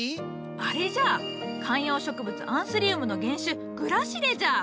あれじゃ観葉植物アンスリウムの原種グラシレじゃ！